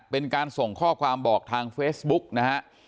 เป็นการส่งข้อความบอกทางเฟซบุ๊กนะฮะ